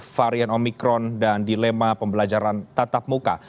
varian omikron dan dilema pembelajaran tatap muka